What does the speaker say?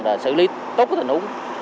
và xử lý tốt cái tình huống